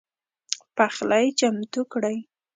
پخلی چمتو کړئ